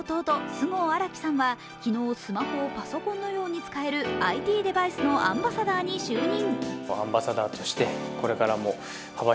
菅生新樹さんは昨日スマホをパソコンのように使えるＩＴデバイスのアンバサダーに就任。